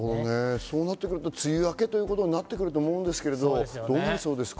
そうなると梅雨明けとなってくると思うんですが、どうなりそうですか？